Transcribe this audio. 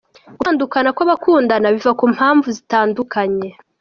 Gutandukana kw’abakundana biva ku mpamvu zitandukanye.